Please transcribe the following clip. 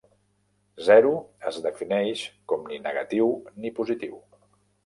Zero es defineix com ni negatiu ni positiu.